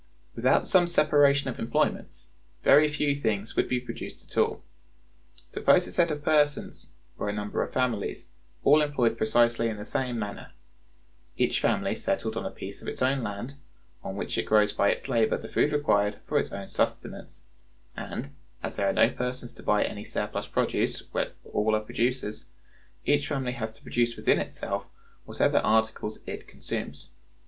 Without some separation of employments, very few things would be produced at all. Suppose a set of persons, or a number of families, all employed precisely in the same manner; each family settled on a piece of its own land, on which it grows by its labor the food required for its own sustenance, and, as there are no persons to buy any surplus produce where all are producers, each family has to produce within itself whatever other articles it consumes.